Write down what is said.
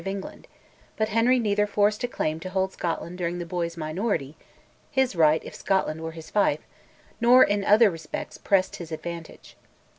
of England, but Henry neither forced a claim to hold Scotland during the boy's minority (his right if Scotland were his fief), nor in other respects pressed his advantage.